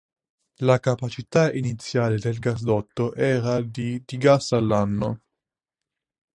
La capacità iniziale del gasdotto era di di gas all'anno.